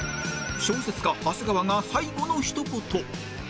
小説家長谷川が最後のひと言